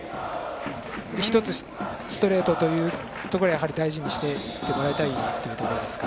１つストレートというところをやはり大事にしていってもらいたいと思うんですか。